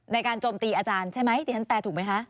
ในการโจมตีอาจารย์ใช่ไหม